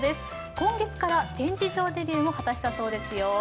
今月から展示場デビューも果たしたそうですよ。